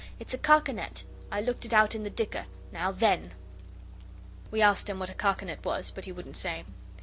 'It's a carcanet. I looked it out in the dicker, now then!' We asked him what a carcanet was, but he wouldn't say.